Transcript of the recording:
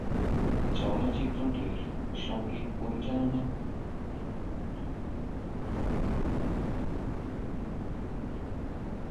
চলচ্চিত্রটির সঙ্গীত পরিচালনা করেছেন সত্য সাহা এবং সহযোগী ছিলেন তার পুত্র ইমন সাহা।